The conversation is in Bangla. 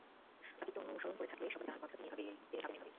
সাকিবকে অনুসরণ করে থাকলে সবারই জানা থাকার কথা, তিনি ভাবেন এভাবেই।